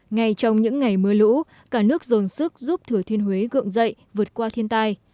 ngay trong những ngày mưa lũ cả nước dồn sức giúp thừa thiên huế gượng dậy vượt qua thiên tai